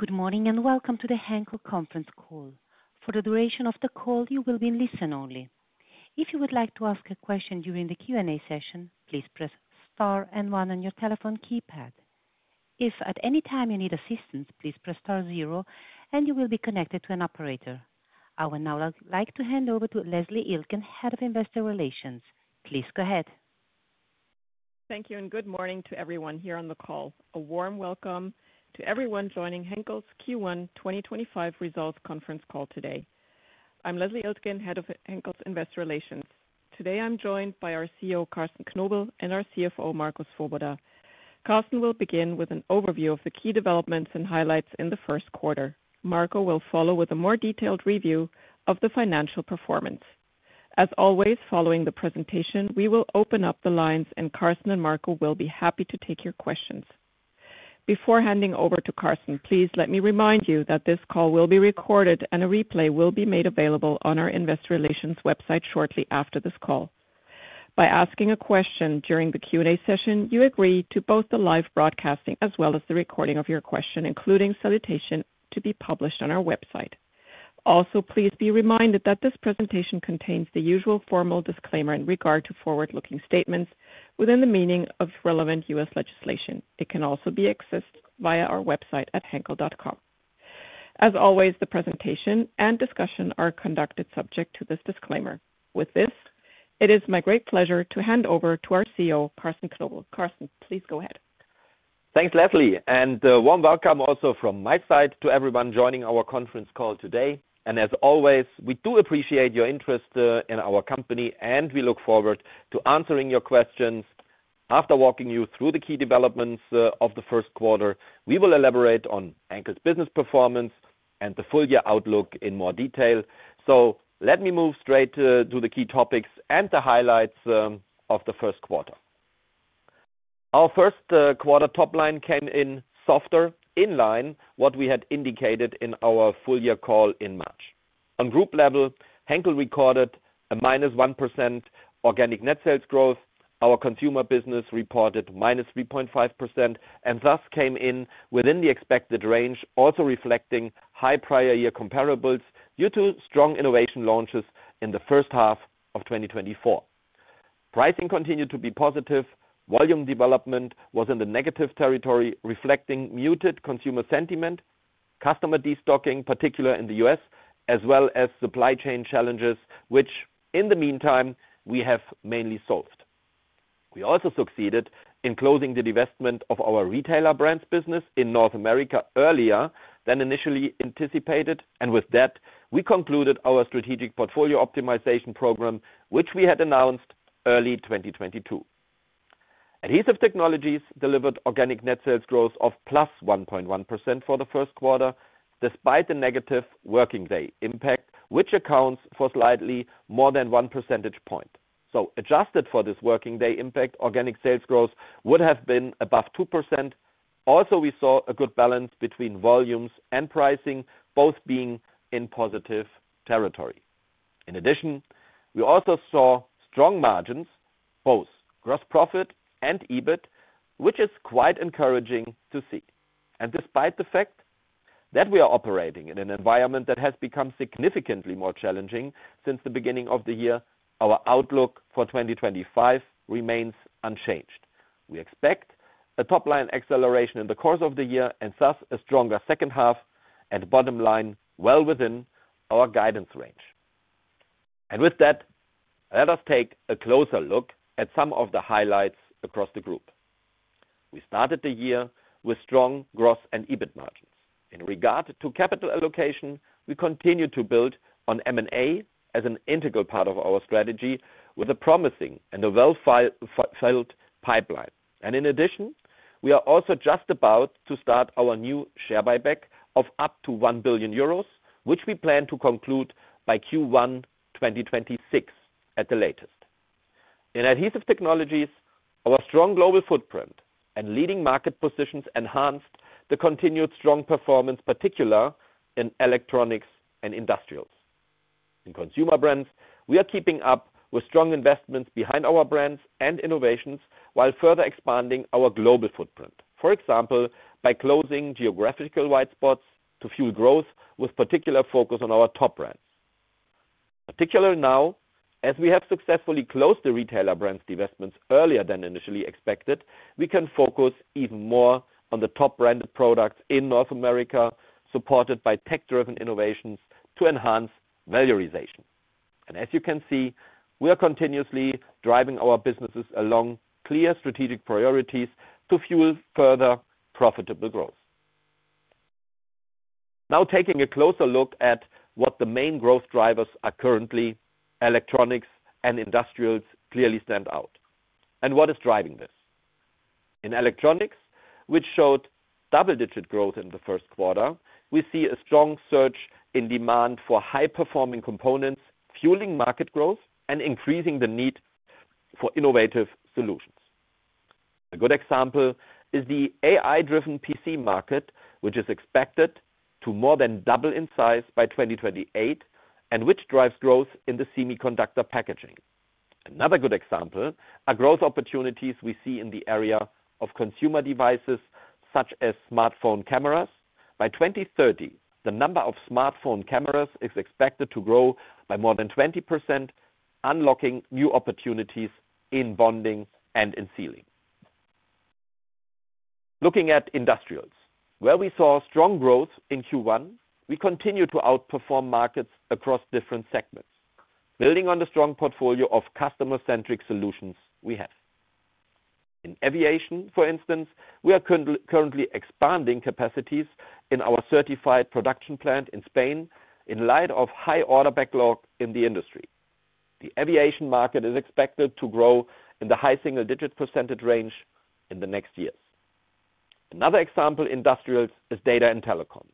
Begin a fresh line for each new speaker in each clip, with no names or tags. Good morning and welcome to the Henkel conference call. For the duration of the call, you will be in listen only. If you would like to ask a question during the Q&A session, please press star and one on your telephone keypad. If at any time you need assistance, please press star zero and you will be connected to an operator. I would now like to hand over to Leslie Iltgen, Head of Investor Relations. Please go ahead.
Thank you and good morning to everyone here on the call. A warm welcome to everyone joining Henkel's Q1 2025 results conference call today. I'm Leslie Iltgen, Head of Henkel's Investor Relations. Today I'm joined by our CEO, Carsten Knobel, and our CFO, Marco Swoboda. Carsten will begin with an overview of the key developments and highlights in the first quarter. Marco will follow with a more detailed review of the financial performance. As always, following the presentation, we will open up the lines and Carsten and Marco will be happy to take your questions. Before handing over to Carsten, please let me remind you that this call will be recorded and a replay will be made available on our Investor Relations website shortly after this call. By asking a question during the Q&A session, you agree to both the live broadcasting as well as the recording of your question, including salutation, to be published on our website. Also, please be reminded that this presentation contains the usual formal disclaimer in regard to forward-looking statements within the meaning of relevant U.S. legislation. It can also be accessed via our website at henkel.com. As always, the presentation and discussion are conducted subject to this disclaimer. With this, it is my great pleasure to hand over to our CEO, Carsten Knobel. Carsten, please go ahead.
Thanks, Leslie, and a warm welcome also from my side to everyone joining our conference call today, and as always, we do appreciate your interest in our company and we look forward to answering your questions. After walking you through the key developments of the first quarter, we will elaborate on Henkel's business performance and the full-year outlook in more detail, so let me move straight to the key topics and the highlights of the first quarter. Our first quarter top line came in softer in line with what we had indicated in our full-year call in March. On group level, Henkel recorded Organic Net Sales Growth. our consumer business reported -3.5% and thus came in within the expected range, also reflecting high prior-year comparables due to strong innovation launches in the first half of 2024. Pricing continued to be positive. Volume development was in the negative territory, reflecting muted consumer sentiment, customer destocking, particularly in the U.S., as well as supply chain challenges, which in the meantime we have mainly solved. We also succeeded in closing the divestment of our retailer brands business in North America earlier than initially anticipated, and with that, we concluded our Strategic Portfolio Optimization Program, which we had announced early 2022. Adhesive Organic Net Sales Growth of +1.1% for the first quarter, despite the negative working day impact, which accounts for slightly more than one percentage point. So adjusted for this working day impact, organic sales growth would have been above 2%. Also, we saw gross profit and EBIT, which is quite encouraging to see. And despite the fact that we are operating in an environment that has become significantly more challenging since the beginning of the year, our outlook for 2025 remains unchanged. We expect a top-line acceleration in the course of the year and thus a stronger second half and bottom line well within our guidance range. And with that, let us take a closer look at some of the highlights across the group. We started the year with strong Gross and EBIT Margins. In regard to capital allocation, we continue to build on M&A as an integral part of our strategy with a promising and well-filled pipeline. And in addition, we are also just about to start our new share buyback of up to €1 billion, which we plan to conclude by Q1 2026 at the latest. In Adhesive Technologies, our strong global footprint and leading market positions enhanced the continued strong performance, particularly in electronics and industrials. In Consumer Brands, we are keeping up with strong investments behind our brands and innovations while further expanding our global footprint, for example, by closing geographical white spots to fuel growth, with particular focus on our top brands. Particularly now, as we have successfully closed the retail brands' divestments earlier than initially expected, we can focus even more on the top-branded products in North America, supported by tech-driven innovations to enhance valorization. As you can see, we are continuously driving our businesses along clear strategic priorities to fuel further profitable growth. Now, taking a closer look at what the main growth drivers are currently, electronics and industrials clearly stand out. What is driving this? In electronics, which showed double-digit growth in the first quarter, we see a strong surge in demand for high-performing components, fueling market growth and increasing the need for innovative solutions. A good example is the AI-driven PC market, which is expected to more than double in size by 2028 and which drives growth in the semiconductor packaging. Another good example are growth opportunities we see in the area of consumer devices such as smartphone cameras. By 2030, the number of smartphone cameras is expected to grow by more than 20%, unlocking new opportunities in bonding and in sealing. Looking at industrials, where we saw strong growth in Q1, we continue to outperform markets across different segments, building on the strong portfolio of customer-centric solutions we have. In aviation, for instance, we are currently expanding capacities in our certified production plant in Spain in light of high order backlog in the industry. The aviation market is expected to grow in the high single-digit % range in the next years. Another example in industrials is data and telecom.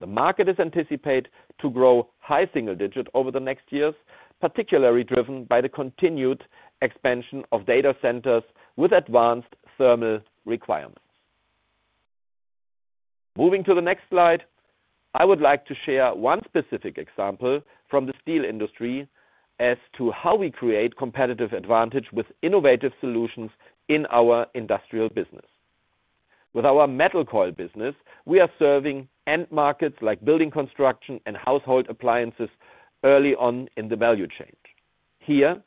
The market is anticipated to grow high single-digit % over the next years, particularly driven by the continued expansion of data centers with advanced thermal requirements. Moving to the next slide, I would like to share one specific example from the steel industry as to how we create competitive advantage with innovative solutions in our industrial business. With our metal coil business, we are serving end markets like building construction and household appliances early on in the value chain. Here,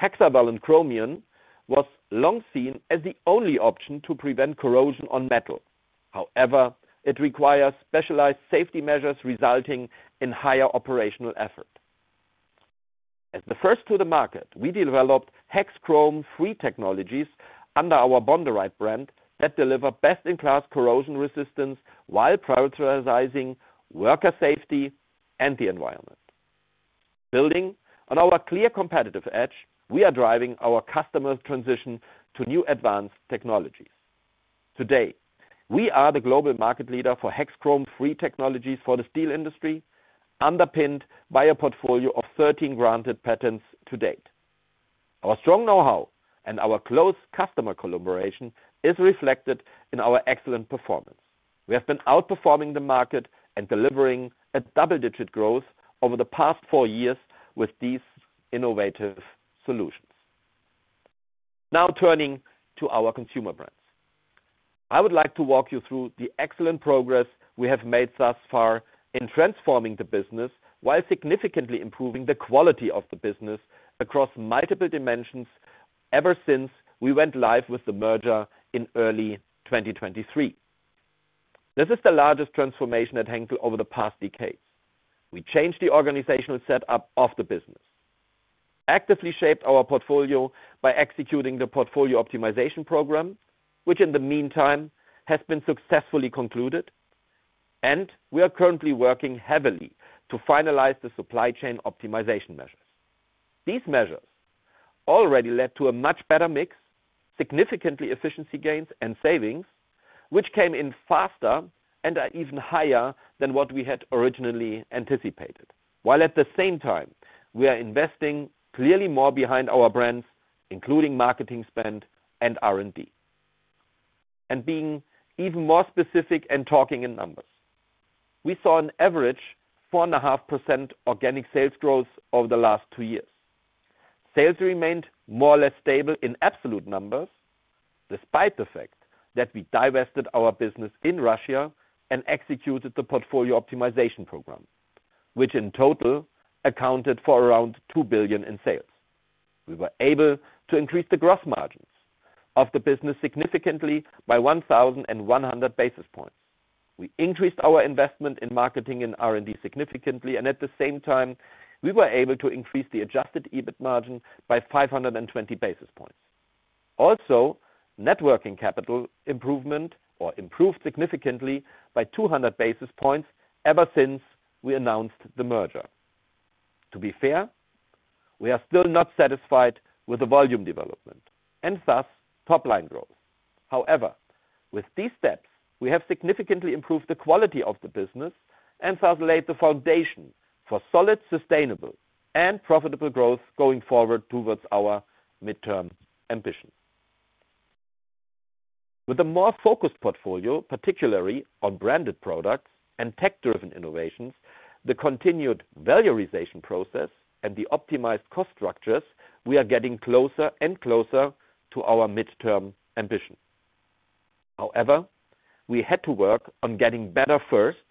hexavalent chromium was long seen as the only option to prevent corrosion on metal. However, it requires specialized safety measures resulting in higher operational effort. As the first to the market, we developed hex chrome-free technologies under our Bonderite brand that deliver best-in-class corrosion resistance while prioritizing worker safety and the environment. Building on our clear competitive edge, we are driving our customer transition to new advanced technologies. Today, we are the global market leader for hex chrome-free technologies for the steel industry, underpinned by a portfolio of 13 granted patents to date. Our strong know-how and our close customer collaboration are reflected in our excellent performance. We have been outperforming the market and delivering a double-digit growth over the past four years with these innovative solutions. Now turning to our Consumer Brands, I would like to walk you through the excellent progress we have made thus far in transforming the business while significantly improving the quality of the business across multiple dimensions ever since we went live with the merger in early 2023. This is the largest transformation at Henkel over the past decades. We changed the organizational setup of the business, actively shaped our portfolio by executing the portfolio optimization program, which in the meantime has been successfully concluded, and we are currently working heavily to finalize the supply chain optimization measures. These measures already led to a much better mix, significant efficiency gains, and savings, which came in faster and are even higher than what we had originally anticipated, while at the same time we are investing clearly more behind our brands, including marketing spend and R&D. And being even more specific and talking in numbers, we saw an average 4.5% organic sales growth over the last two years. Sales remained more or less stable in absolute numbers despite the fact that we divested our business in Russia and executed the portfolio optimization program, which in total accounted for around €2 billion in sales. We were able to increase the gross margins of the business significantly by 1,100 basis points. We increased our investment in marketing and R&D significantly, and at the same time, we were able to increase the adjusted EBIT margin by 520 basis points. Also, net working capital improvement improved significantly by 200 basis points ever since we announced the merger. To be fair, we are still not satisfied with the volume development and thus top-line growth. However, with these steps, we have significantly improved the quality of the business and thus laid the foundation for solid, sustainable, and profitable growth going forward towards our midterm ambition. With a more focused portfolio, particularly on branded products and tech-driven innovations, the continued valorization process, and the optimized cost structures, we are getting closer and closer to our midterm ambition. However, we had to work on getting better first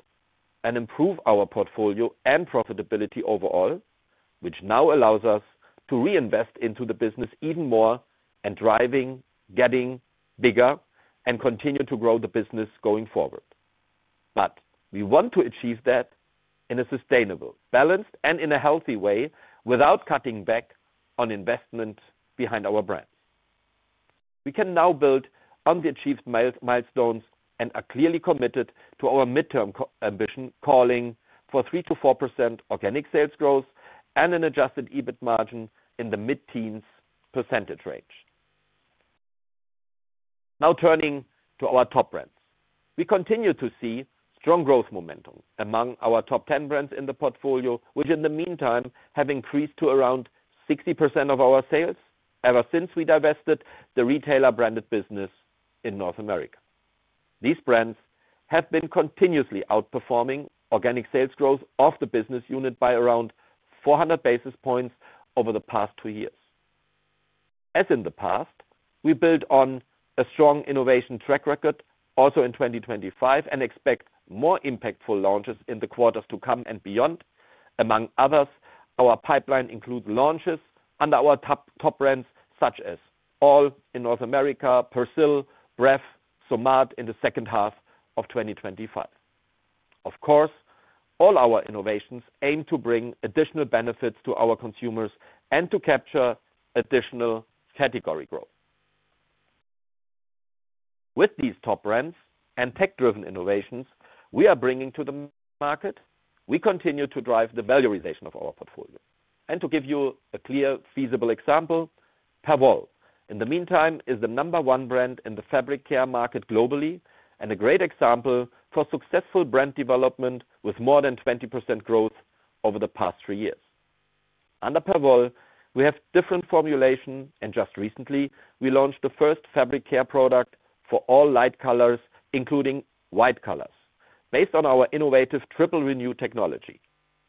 and improve our portfolio and profitability overall, which now allows us to reinvest into the business even more and getting bigger, and continue to grow the business going forward. But we want to achieve that in a sustainable, balanced, and in a healthy way without cutting back on investment behind our brands. We can now build on the achieved milestones and are clearly committed to our midterm ambition, calling for 3%-4% organic sales growth and an adjusted EBIT margin in the mid-teens % range. Now turning to our top brands, we continue to see strong growth momentum among our top 10 brands in the portfolio, which in the meantime have increased to around 60% of our sales ever since we divested the retailer branded business in North America. These brands have been continuously outperforming organic sales growth of the business unit by around 400 basis points over the past two years. As in the past, we build on a strong innovation track record also in 2025 and expect more impactful launches in the quarters to come and beyond. Among others, our pipeline includes launches under our top brands such as All in North America, Persil, Bref, Somat in the second half of 2025. Of course, All our innovations aim to bring additional benefits to our consumers and to capture additional category growth. With these top brands and tech-driven innovations we are bringing to the market, we continue to drive the valorization of our portfolio. And to give you a clear, feasible example, Perwoll in the meantime is the number one brand in the fabric care market globally and a great example for successful brand development with more than 20% growth over the past three years. Under Perwoll, we have different formulations, and just recently, we launched the first fabric care product for All light colors, including white colors, based on our innovative Triple Renew technology.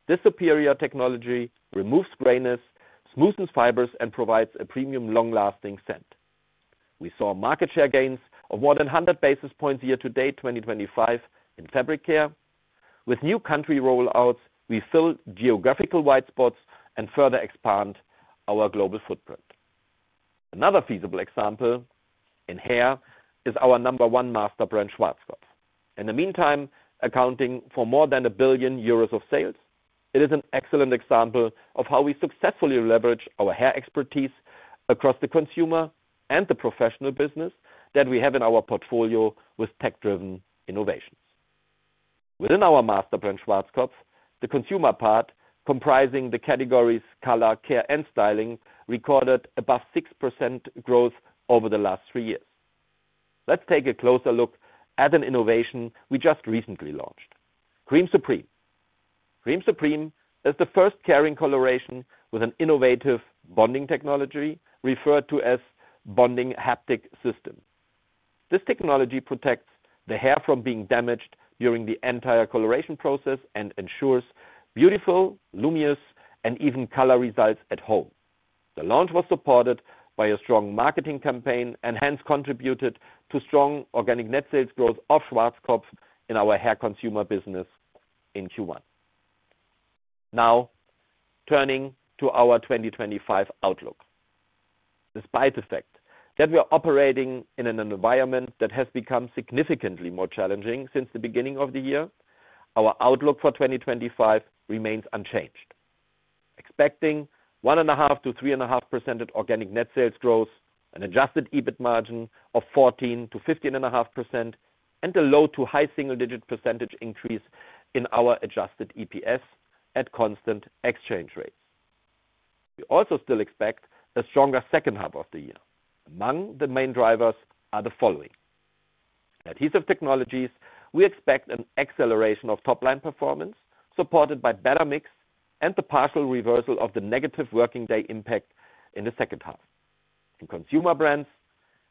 This superior technology removes grayness, smoothens fibers, and provides a premium long-lasting scent. We saw market share gains of more than 100 basis points year to date 2025 in fabric care. With new country rollouts, we fill geographical white spots and further expand our global footprint. Another feasible example in Hair is our number one master brand, Schwarzkopf. In the meantime, accounting for more than €1 billion of sales, it is an excellent example of how we successfully leverage our Hair expertise across the consumer and the professional business that we have in our portfolio with tech-driven innovations. Within our master brand, Schwarzkopf, the consumer part comprising the categories color, care, and styling recorded above 6% growth over the last three years. Let's take a closer look at an innovation we just recently launched, Cream Supreme. Cream Supreme is the first caring coloration with an innovative bonding technology referred to as Bonding Haptic System. This technology protects the Hair from being damaged during the entire coloration process and ensures beautiful, luminous, and even color results at home. The launch was supported by a strong marketing campaign and hence contributed Organic Net Sales Growth of schwarzkopf in our Hair consumer business in Q1. Now turning to our 2025 outlook, despite the fact that we are operating in an environment that has become significantly more challenging since the beginning of the year, our outlook for 2025 remains unchanged, expecting 1.5% Organic Net Sales Growth, an adjusted EBIT margin of 14%-15.5%, and a low to high single-digit percentage increase in our adjusted EPS at constant exchange rates. We also still expect a stronger second half of the year. Among the main drivers are the following: in Adhesive Technologies, we expect an acceleration of top-line performance supported by better mix and the partial reversal of the negative working day impact in the second half. In Consumer Brands,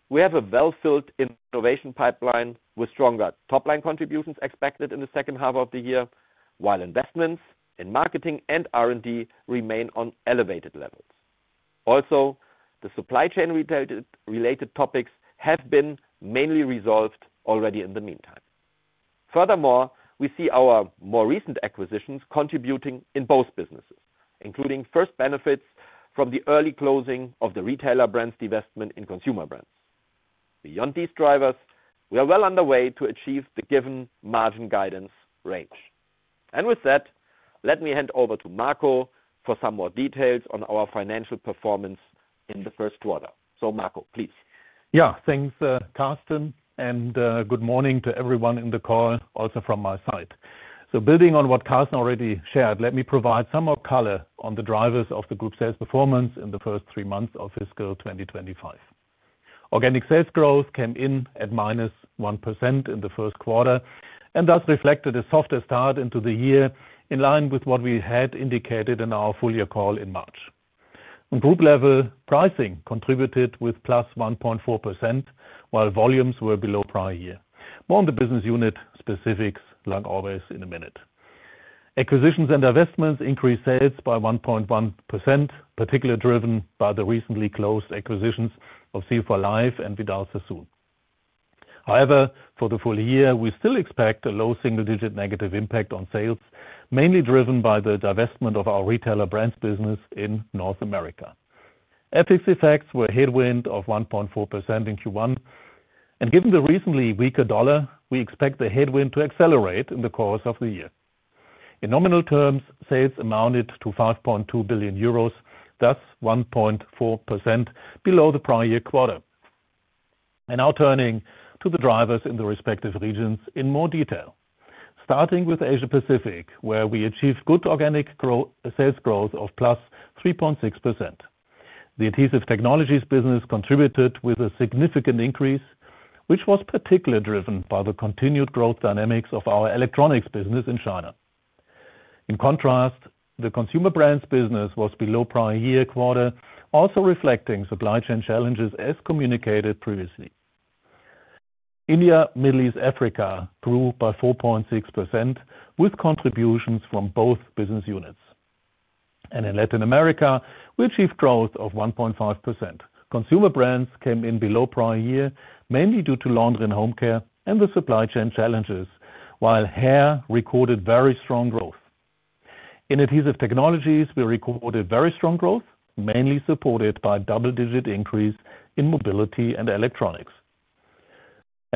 we have a well-filled innovation pipeline with stronger top-line contributions expected in the second half of the year, while investments in marketing and R&D remain on elevated levels. Also, the supply chain related topics have been mainly resolved already in the meantime. Furthermore, we see our more recent acquisitions contributing in both businesses, including first benefits from the early closing of the retailer brands' divestment in Consumer Brands. Beyond these drivers, we are well on the way to achieve the given margin guidance range. And with that, let me hand over to Marco for some more details on our financial performance in the first quarter. So, Marco, please.
Yeah, thanks, Carsten, and good morning to everyone in the call, also from my side. So, building on what Carsten already shared, let me provide some more color on the drivers of the group sales performance in the first three months of fiscal 2025. Organic sales growth came in at -1% in the first quarter and thus reflected a softer start into the year in line with what we had indicated in our full year call in March. On group level, pricing contributed with + 1.4%, while volumes were below prior year. More on the business unit specifics, like always, in a minute. Acquisitions and investments increased sales by 1.1%, particularly driven by the recently closed acquisitions of Seal for Life and Vidal Sassoon. However, for the full year, we still expect a low single-digit negative impact on sales, mainly driven by the divestment of our retailer brands business in North America. FX effects were a headwind of 1.4% in Q1, and given the reasonably weaker dollar, we expect the headwind to accelerate in the course of the year. In nominal terms, sales amounted to €5.2 billion, thus 1.4% below the prior year quarter. And now turning to the drivers in the respective regions in more detail, starting with Asia Pacific, where we achieved good organic sales growth of +3.6%. The Adhesive Technologies business contributed with a significant increase, which was particularly driven by the continued growth dynamics of our electronics business in China. In contrast, the Consumer Brands business was below prior year quarter, also reflecting supply chain challenges as communicated previously. India, Middle East, and Africa grew by 4.6% with contributions from both business units. In Latin America, we achieved growth of 1.5%. Consumer Brands came in below prior year, mainly due to Laundry and Home Care and the supply chain challenges, while Hair recorded very strong growth. In Adhesive Technologies, we recorded very strong growth, mainly supported by a double-digit increase in Mobility and Electronics.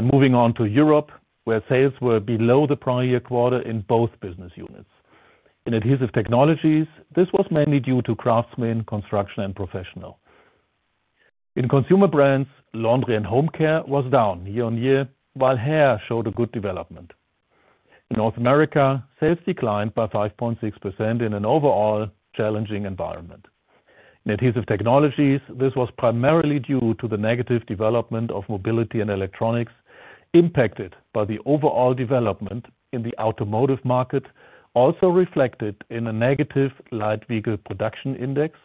Moving on to Europe, where sales were below the prior year quarter in both business units. In Adhesive Technologies, this was mainly due to Craftsmen, Construction and Professional. In Consumer Brands, Laundry and Home Care was down year on year, while Hair showed a good development. In North America, sales declined by 5.6% in an overall challenging environment. In Adhesive Technologies, this was primarily due to the negative development of Mobility and Electronics impacted by the overall development in the automotive market, also reflected in a negative light vehicle production index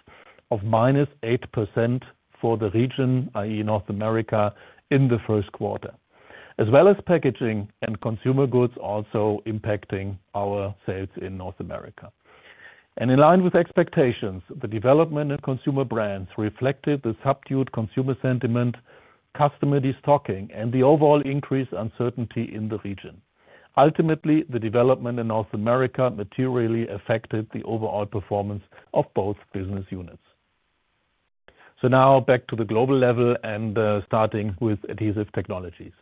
of -8% for the region, i.e., North America, in the first quarter, as well as Packaging and Consumer Goods also impacting our sales in North America, and in line with expectations, the development of Consumer Brands reflected the subdued consumer sentiment, customer destocking, and the overall increased uncertainty in the region. Ultimately, the development in North America materially affected the overall performance of both business units, so now back to the global level and starting with Adhesive Technologies.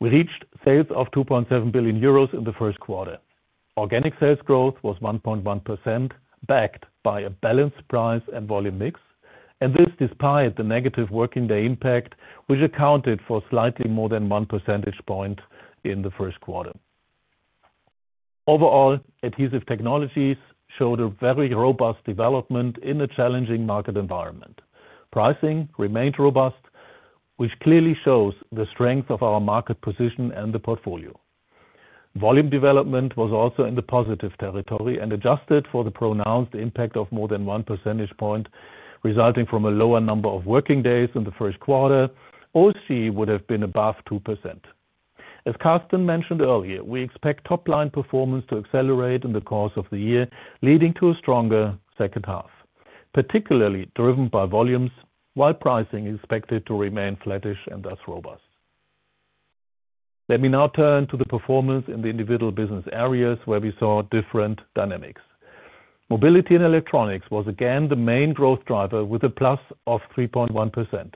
We reached sales of €2.7 billion in the first quarter. Organic sales growth was 1.1%, backed by a balanced price and volume mix, and this despite the negative working day impact, which accounted for slightly more than 1 percentage point in the first quarter. Overall, Adhesive Technologies showed a very robust development in a challenging market environment. Pricing remained robust, which clearly shows the strength of our market position and the portfolio. Volume development was also in the positive territory and adjusted for the pronounced impact of more than 1 percentage point resulting from a lower number of working days in the first quarter, otherwise would have been above 2%. As Carsten mentioned earlier, we expect top-line performance to accelerate in the course of the year, leading to a stronger second half, particularly driven by volumes, while pricing is expected to remain flattish and thus robust. Let me now turn to the performance in the individual business areas where we saw different dynamics. Mobility and Electronics was again the main growth driver with a plus of 3.1%.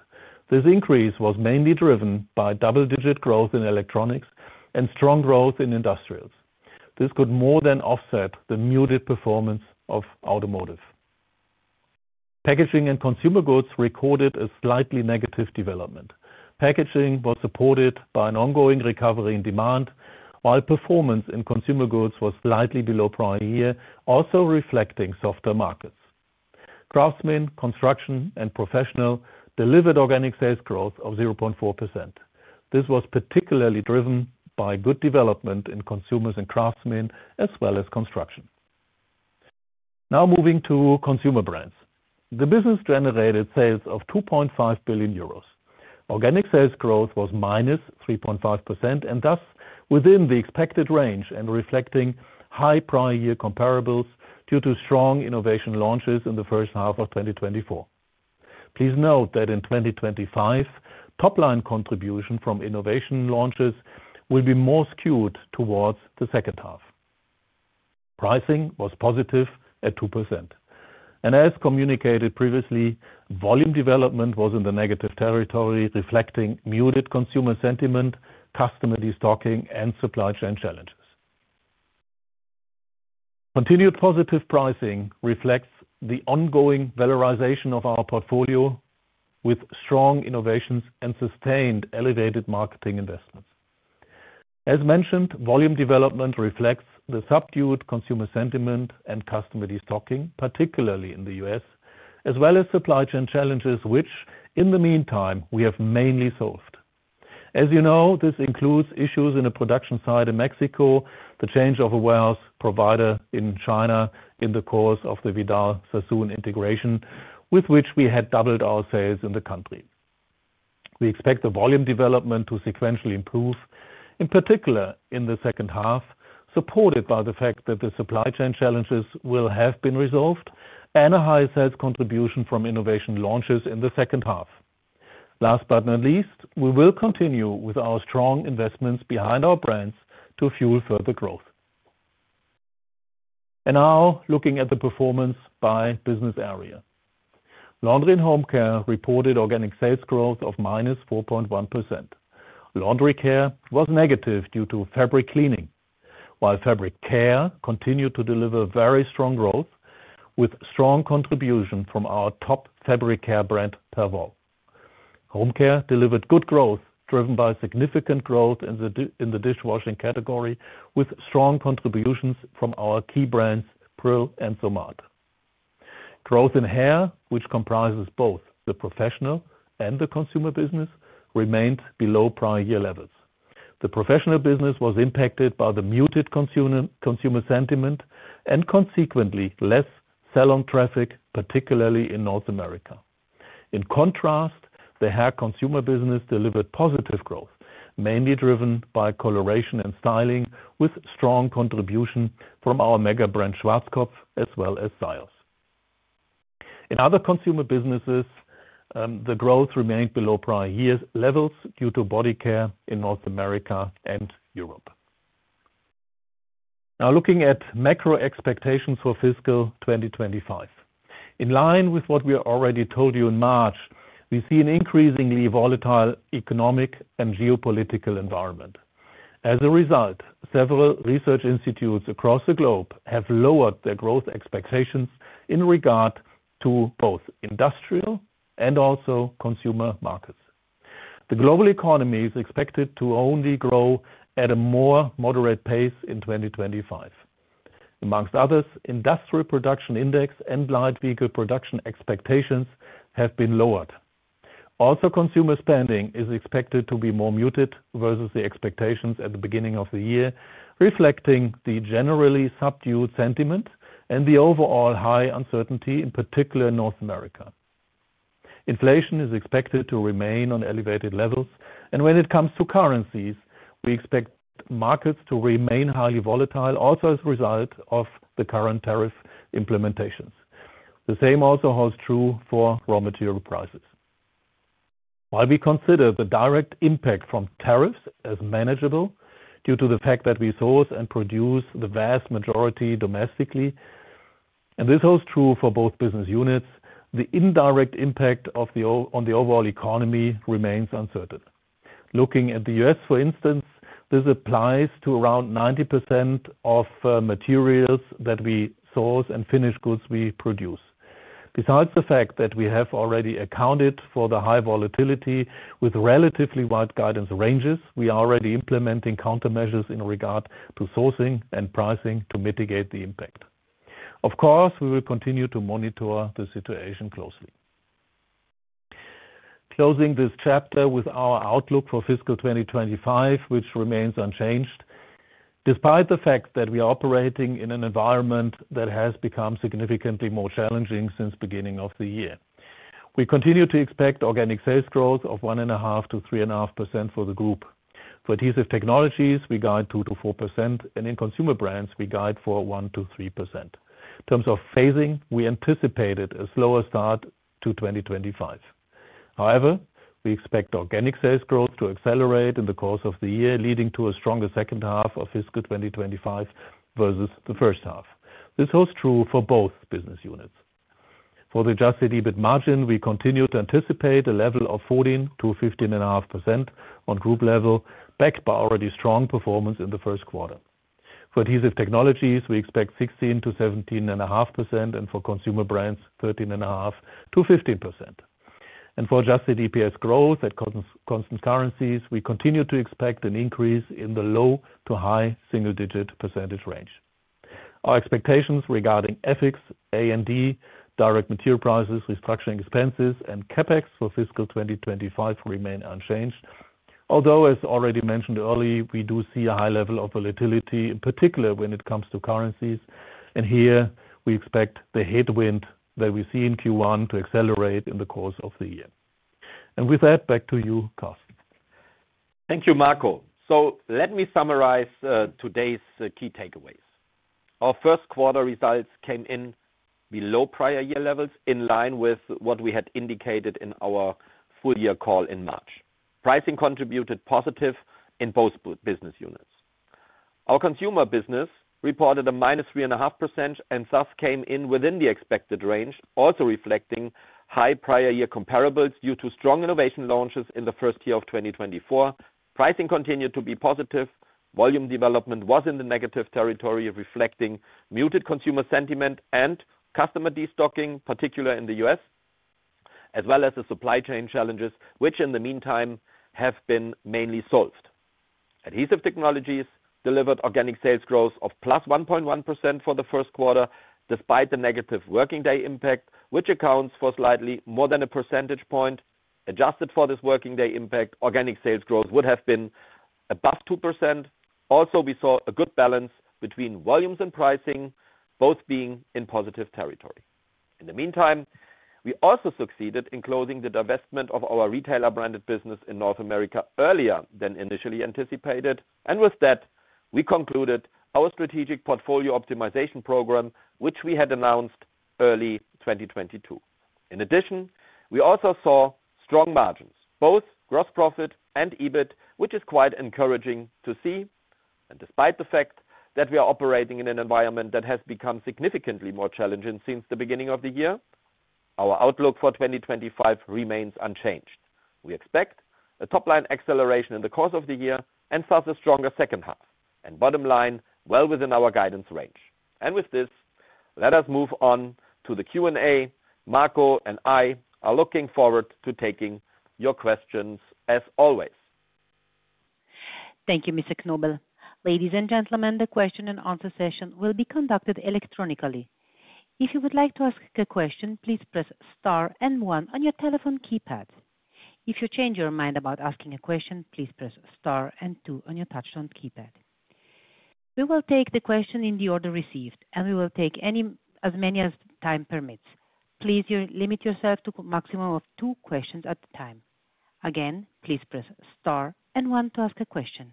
This increase was mainly driven by double-digit growth in electronics and strong growth in industrials. This could more than offset the muted performance of automotive. Packaging and consumer goods recorded a slightly negative development. Packaging was supported by an ongoing recovery in demand, while performance in consumer goods was slightly below prior year, also reflecting softer markets. Craftsmen, Construction and Professional delivered organic sales growth of 0.4%. This was particularly driven by good development in consumers and craftsmen as well as construction. Now moving to Consumer Brands, the business generated sales of €2.5 billion. Organic sales growth was -3.5% and thus within the expected range and reflecting high prior year comparables due to strong innovation launches in the first half of 2024. Please note that in 2025, top-line contribution from innovation launches will be more skewed towards the second half. Pricing was positive at 2%. And as communicated previously, volume development was in the negative territory, reflecting muted consumer sentiment, customer destocking, and supply chain challenges. Continued positive pricing reflects the ongoing valorization of our portfolio with strong innovations and sustained elevated marketing investments. As mentioned, volume development reflects the subdued consumer sentiment and customer destocking, particularly in the U.S., as well as supply chain challenges, which in the meantime we have mainly solved. As you know, this includes issues in a production site in Mexico, the change of a warehouse provider in China in the course of the Vidal Sassoon integration, with which we had doubled our sales in the country. We expect the volume development to sequentially improve, in particular in the second half, supported by the fact that the supply chain challenges will have been resolved and a high sales contribution from innovation launches in the second half. Last but not least, we will continue with our strong investments behind our brands to fuel further growth, and now looking at the performance by business area, Laundry and Home Care reported organic sales growth of -4.1%. Laundry care was negative due to fabric cleaning, while fabric care continued to deliver very strong growth with strong contribution from our top fabric care brand, Perwoll. Home care delivered good growth driven by significant growth in the dishwashing category with strong contributions from our key brands, Pril and Somat. Growth in Hair, which comprises both the professional and the consumer business, remained below prior year levels. The professional business was impacted by the muted consumer sentiment and consequently less salon traffic, particularly in North America. In contrast, the Hair consumer business delivered positive growth, mainly driven by coloration and styling with strong contribution from our mega brand, Schwarzkopf, as well as Syoss. In other consumer businesses, the growth remained below prior year levels due to body care in North America and Europe. Now looking at macro expectations for fiscal 2025, in line with what we already told you in March, we see an increasingly volatile economic and geopolitical environment. As a result, several research institutes across the globe have lowered their growth expectations in regard to both industrial and also consumer markets. The global economy is expected to only grow at a more moderate pace in 2025. Among others, industrial production index and light vehicle production index expectations have been lowered. Also, consumer spending is expected to be more muted versus the expectations at the beginning of the year, reflecting the generally subdued sentiment and the overall high uncertainty, in particular in North America. Inflation is expected to remain on elevated levels, and when it comes to currencies, we expect markets to remain highly volatile, also as a result of the current tariff implementations. The same also holds true for raw material prices. While we consider the direct impact from tariffs as manageable due to the fact that we source and produce the vast majority domestically, and this holds true for both business units, the indirect impact on the overall economy remains uncertain. Looking at the U.S., for instance, this applies to around 90% of materials that we source and finished goods we produce. Besides the fact that we have already accounted for the high volatility with relatively wide guidance ranges, we are already implementing countermeasures in regard to sourcing and pricing to mitigate the impact. Of course, we will continue to monitor the situation closely. Closing this chapter with our outlook for fiscal 2025, which remains unchanged, despite the fact that we are operating in an environment that has become significantly more challenging since the beginning of the year. We continue to expect organic sales growth of 1.5%-3.5% for the group. For Adhesive Technologies, we guide 2%-4%, and in Consumer Brands, we guide for 1%-3%. In terms of phasing, we anticipated a slower start to 2025. However, we expect organic sales growth to accelerate in the course of the year, leading to a stronger second half of fiscal 2025 versus the first half. This holds true for both business units. For the adjusted EBIT margin, we continue to anticipate a level of 14%-15.5% on group level, backed by already strong performance in the first quarter. For Adhesive Technologies, we expect 16%-17.5%, and for Consumer Brands, 13.5%-15%. For adjusted EPS growth at constant currencies, we continue to expect an increase in the low- to high-single-digit percentage range. Our expectations regarding FX, A&D, direct material prices, restructuring expenses, and CapEx for fiscal 2025 remain unchanged, although, as already mentioned earlier, we do see a high level of volatility, particularly when it comes to currencies. And here, we expect the headwind that we see in Q1 to accelerate in the course of the year. And with that, back to you, Carsten.
Thank you, Marco. So let me summarize today's key takeaways. Our first quarter results came in below prior year levels, in line with what we had indicated in our full-year call in March. Pricing contributed positive in both business units. Our consumer business reported a -3.5% and thus came in within the expected range, also reflecting high prior year comparables due to strong innovation launches in the first quarter of 2024. Pricing continued to be positive. Volume development was in the negative territory, reflecting muted consumer sentiment and customer destocking, particularly in the U.S., as well as the supply chain challenges, which in the meantime have been mainly solved. Adhesive Technologies delivered organic sales growth of +1.1% for the first quarter, despite the negative working day impact, which accounts for slightly more than a percentage point. Adjusted for this working day impact, organic sales growth would have been above 2%. Also, we saw a good balance between volumes and pricing, both being in positive territory. In the meantime, we also succeeded in closing the divestment of our retailer-branded business in North America earlier than initially anticipated. And with that, we concluded our Strategic Portfolio Optimization Program, which we had announced early 2022. In addition, we also saw strong margins, both gross profit and EBIT, which is quite encouraging to see. And despite the fact that we are operating in an environment that has become significantly more challenging since the beginning of the year, our outlook for 2025 remains unchanged. We expect a top-line acceleration in the course of the year and thus a stronger second half. And bottom line, well within our guidance range. And with this, let us move on to the Q&A. Marco and I are looking forward to taking your questions, as always. Thank you, Mr. Knobel. Ladies and gentlemen, the question and answer session will be conducted electronically. If you would like to ask a question, please press star and 1 on your telephone keypad. If you change your mind about asking a question, please press star and 2 on your telephone keypad. We will take the questions in the order received, and we will take as many as time permits.
Please limit yourself to a maximum of two questions at a time. Again, please press Star and 1 to ask a question.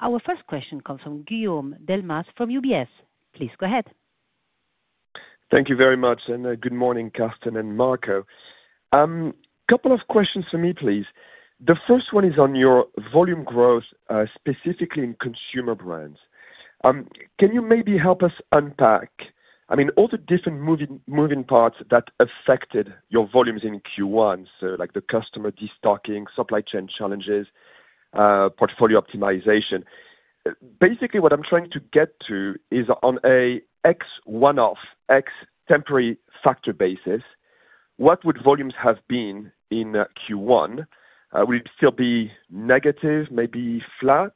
Our first question comes from Guillaume Delmas from UBS. Please go ahead.
Thank you very much, and good morning, Carsten and Marco. A couple of questions for me, please. The first one is on your volume growth, specifically in Consumer Brands. Can you maybe help us unpack, I mean, all the different moving parts that affected your volumes in Q1, so like the customer destocking, supply chain challenges, portfolio optimization? Basically, what I'm trying to get to is on an ex-one-off, ex temporary factor basis, what would volumes have been in Q1? Will it still be negative, maybe flat?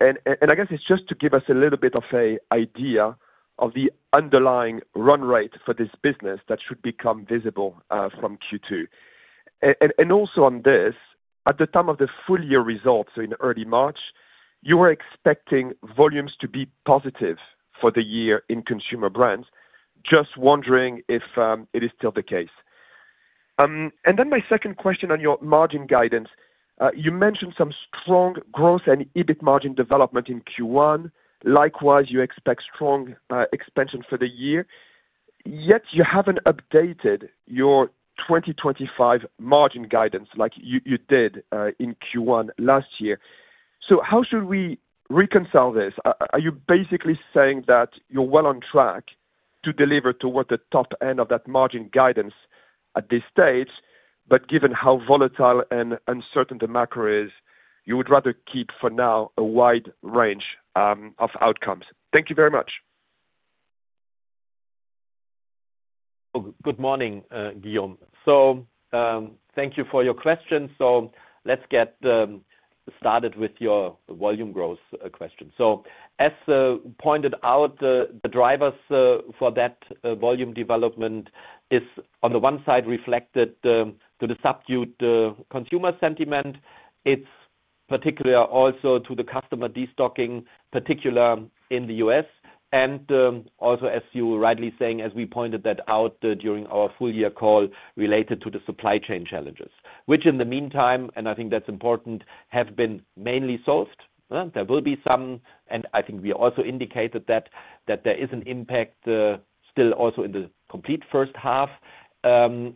And I guess it's just to give us a little bit of an idea of the underlying run rate for this business that should become visible from Q2. And also on this, at the time of the full-year results, so in early March, you were expecting volumes to be positive for the year in consumer brands. Just wondering if it is still the case. And then my second question on your margin guidance, you mentioned some strong growth and EBIT margin development in Q1. Likewise, you expect strong expansion for the year. Yet you haven't updated your 2025 margin guidance like you did in Q1 last year. So how should we reconcile this? Are you basically saying that you're well on track to deliver toward the top end of that margin guidance at this stage, but given how volatile and uncertain the macro is, you would rather keep for now a wide range of outcomes? Thank you very much. Good morning,
Guillaume. So thank you for your question. So let's get started with your volume growth question. So as pointed out, the drivers for that volume development is, on the one side, reflected to the subdued consumer sentiment, particularly also to the customer destocking, particularly in the U.S., and also, as you were rightly saying, as we pointed that out during our full-year call related to the supply chain challenges, which in the meantime, and I think that's important, have been mainly solved. There will be some, and I think we also indicated that there is an impact still also in the complete first half, and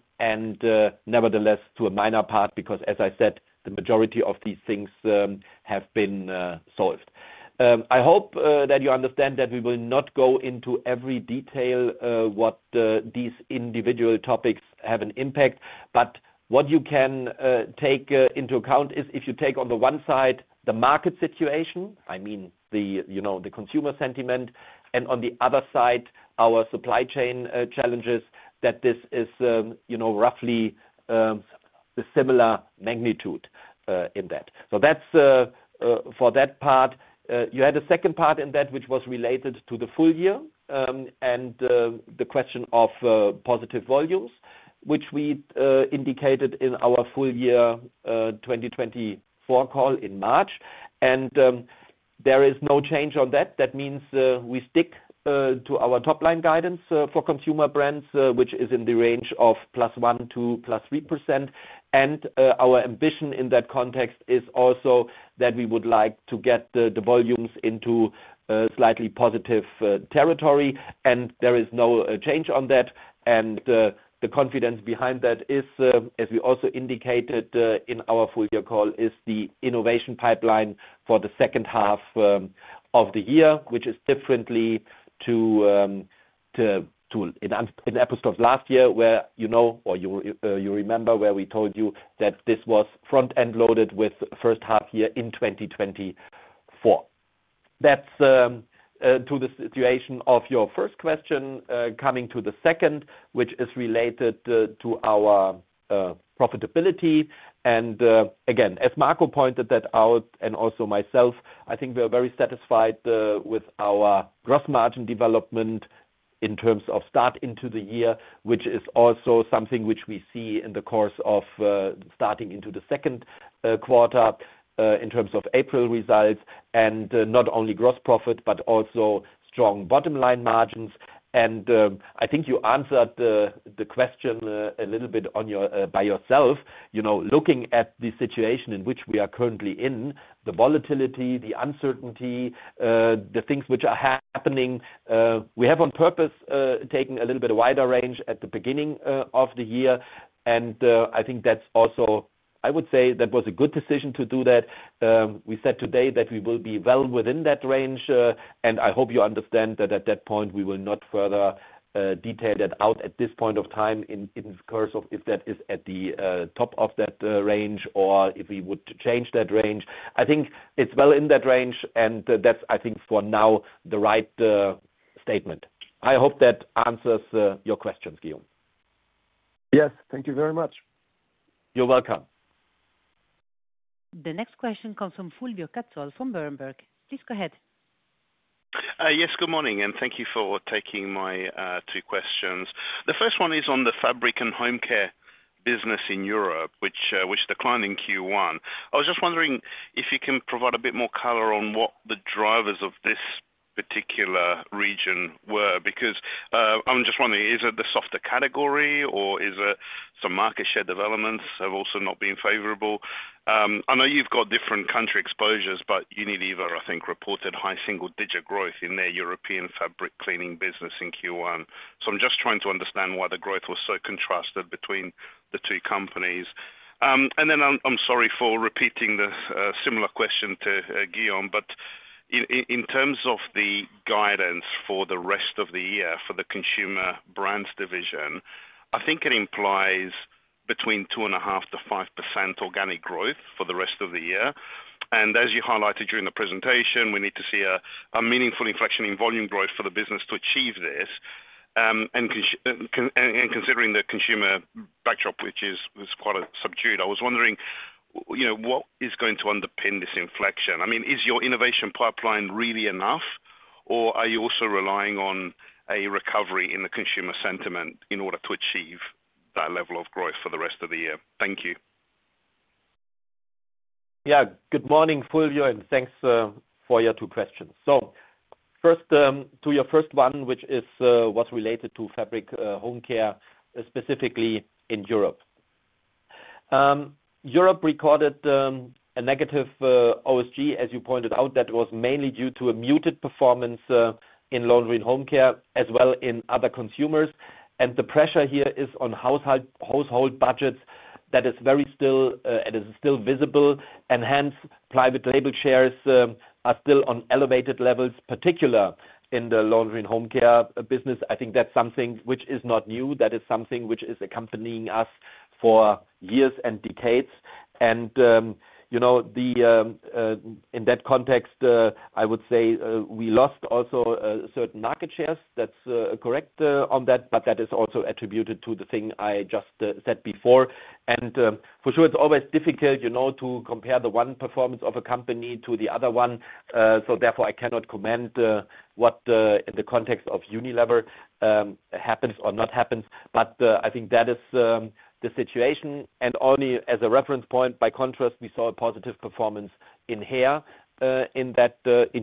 nevertheless, to a minor part, because, as I said, the majority of these things have been solved. I hope that you understand that we will not go into every detail what these individual topics have an impact, but what you can take into account is, if you take on the one side the market situation, I mean the consumer sentiment, and on the other side, our supply chain challenges, that this is roughly similar magnitude in that. So that's for that part. You had a second part in that, which was related to the full year and the question of positive volumes, which we indicated in our full-year 2024 call in March, and there is no change on that. That means we stick to our top-line guidance for Consumer Brands, which is in the range of +1% to +3%. Our ambition in that context is also that we would like to get the volumes into slightly positive territory, and there is no change on that. The confidence behind that is, as we also indicated in our full-year call, is the innovation pipeline for the second half of the year, which is differently to in '23 last year, where you know or you remember where we told you that this was front-end loaded with first half year in 2024. That’s the situation of your first question coming to the second, which is related to our profitability. Again, as Marco pointed that out and also myself, I think we are very satisfied with our gross margin development in terms of start into the year, which is also something which we see in the course of starting into the second quarter in terms of April results, and not only gross profit, but also strong bottom-line margins. I think you answered the question a little bit by yourself. Looking at the situation in which we are currently in, the volatility, the uncertainty, the things which are happening, we have on purpose taken a little bit wider range at the beginning of the year. I think that's also, I would say that was a good decision to do that. We said today that we will be well within that range, and I hope you understand that at that point, we will not further detail that out at this point of time in the course of if that is at the top of that range or if we would change that range. I think it's well in that range, and that's, I think, for now the right statement. I hope that answers your questions, Guillaume. Yes, thank you very much. You're welcome.
The next question comes from Fulvio Cazzol from Berenberg. Please go ahead.
Yes, good morning, and thank you for taking my two questions. The first one is on the fabric and home care business in Europe, which declined in Q1. I was just wondering if you can provide a bit more color on what the drivers of this particular region were, because I'm just wondering, is it the softer category, or is it some market share developments have also not been favorable? I know you've got different country exposures, but Unilever, I think, reported high single-digit growth in their European fabric cleaning business in Q1. So I'm just trying to understand why the growth was so contrasted between the two companies. And then I'm sorry for repeating the similar question to Guillaume, but in terms of the guidance for the rest of the year for the consumer brands division, I think it implies between 2.5%-5% organic growth for the rest of the year. And as you highlighted during the presentation, we need to see a meaningful inflection in volume growth for the business to achieve this. Considering the consumer backdrop, which is quite subdued, I was wondering what is going to underpin this inflection? I mean, is your innovation pipeline really enough, or are you also relying on a recovery in the consumer sentiment in order to achieve that level of growth for the rest of the year? Thank you.
Yeah, good morning, Fulvio, and thanks for your two questions. So first, to your first one, which was related to fabric home care, specifically in Europe. Europe recorded a negative OSG, as you pointed out, that was mainly due to a muted performance in Laundry and Home Care, as well as in other consumers. And the pressure here is on household budgets that is very stark and is still visible. And hence, private label shares are still on elevated levels, particularly in the Laundry and Home Care business. I think that's something which is not new. That is something which is accompanying us for years and decades, and in that context, I would say we lost also certain market shares. That's correct on that, but that is also attributed to the thing I just said before, and for sure, it's always difficult to compare the one performance of a company to the other one. So therefore, I cannot comment on what in the context of Unilever happens or not happens, but I think that is the situation, and only as a reference point, by contrast, we saw a positive performance in Hair in